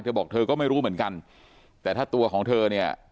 บอกเธอก็ไม่รู้เหมือนกันแต่ถ้าตัวของเธอเนี่ย